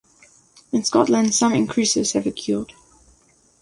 In Scotland some increases have occurred.